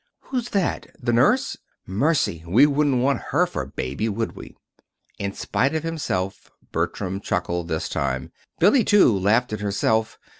"Who's that the nurse? Mercy! We wouldn't want her for Baby, would we?" In spite of himself Bertram chuckled this time. Billy, too, laughed at herself.